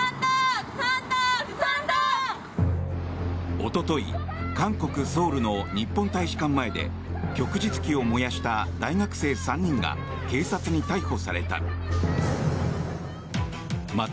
おととい、韓国ソウルの日本大使館前で旭日旗を燃やした大学生３人が警察に逮捕された。